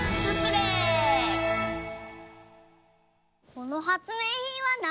このはつめいひんはなに？